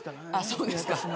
そうですか。